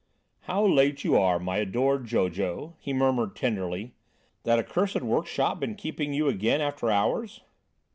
"How late you are, my adored Jojo," he murmured tenderly. "That accursed workshop been keeping you again after hours?"